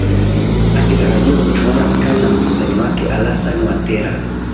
akitarajiwa kuchuana vikali na mpinzani wake alasan watera